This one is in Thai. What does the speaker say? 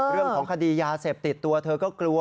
เรื่องของคดียาเสพติดตัวเธอก็กลัว